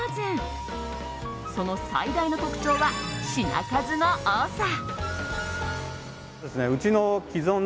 その最大の特徴は品数の多さ。